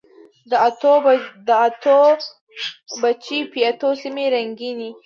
د اتو، بچي، پیتاو سیمي رنګیني